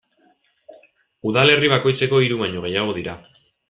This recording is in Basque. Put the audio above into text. Udalerri bakoitzeko hiru baino gehiago dira.